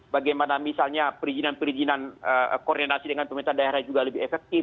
bagaimana misalnya perizinan perizinan koordinasi dengan pemerintah daerah juga lebih efektif